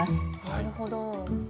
なるほど。